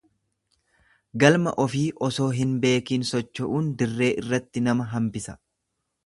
Galma ofii osoo hin beekiin socho'uun dirree iratti nama hambisa.